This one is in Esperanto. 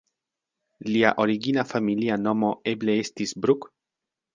Lia origina familia nomo eble estis "Bruck"?